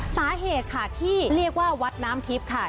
สาเหตุค่ะที่เรียกว่าวัดน้ำทิพย์ค่ะ